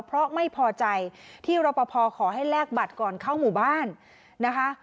เพราะไม่พอใจที่รปภขอให้แลกบัตรก่อนเข้าหมู่บ้านนะคะ